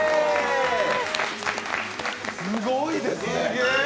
すごいですね！